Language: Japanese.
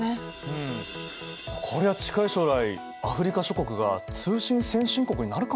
うんこりゃ近い将来アフリカ諸国が通信先進国になるかもしれないね。